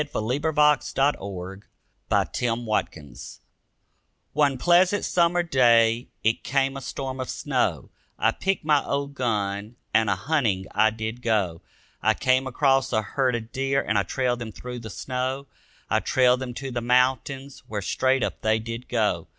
[Footnote 9: "set" means settler.] A DEER HUNT One pleasant summer day it came a storm of snow; I picked my old gun and a hunting I did go. I came across a herd of deer and I trailed them through the snow, I trailed them to the mountains where straight up they did go.